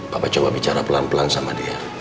bapak coba bicara pelan pelan sama dia